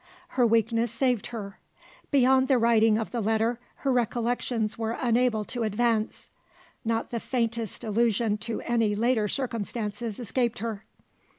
Her weakness saved her. Beyond the writing of the letter, her recollections were unable to advance. Not the faintest allusion to any later circumstances escaped her.